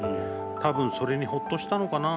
多分、それにほっとしたのかな。